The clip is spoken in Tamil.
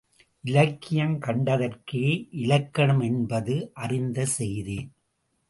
இலக்கியம் கண்டதற்கே இலக்கணம் என்பது அறிந்த செய்தி.